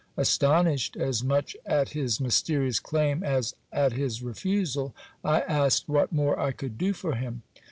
Astonished as much at his mysterious claim as at his refusal, I asked what more I could do for him.